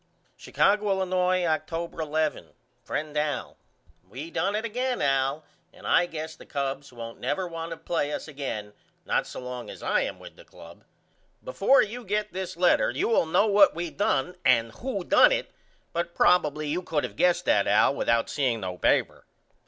Chicago, Illinois, October 11. FRIEND AL: We done it again Al and I guess the Cubs won't never want to play us again not so long as I am with the club. Before you get this letter you will know what we done and who done it but probily you could of guessed that Al without seeing no paper.